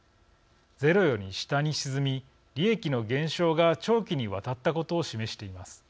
０より下に沈み利益の減少が長期にわたったことを示しています。